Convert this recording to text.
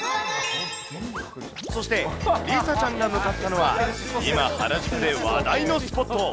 そして、梨紗ちゃんが向かったのは、今、原宿で話題のスポット。